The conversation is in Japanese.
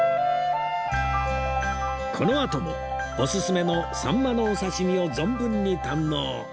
このあともオススメのさんまのお刺身を存分に堪能